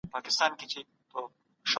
ایا ته غواړې د پښتو ادب په اړه معلومات ولرې؟